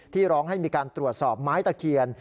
ร้องให้มีการตรวจสอบไม้ตะเคียน